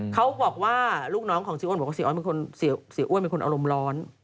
เขาบอกว่าลูกน้องของเสียอ้วนบอกว่าเสียอ้วนเป็นคนอารมณ์ร้อน